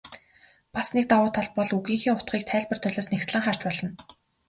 Бас нэг давуу тал бол үгийнхээ утгыг тайлбар толиос нягтлан харж болно.